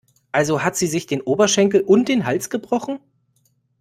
Also hat sie sich den Oberschenkel und den Hals gebrochen?